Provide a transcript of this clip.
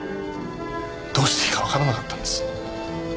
どうしていいかわからなかったんです。